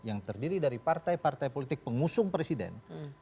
yang terdiri dari partai partai politik pengusung presiden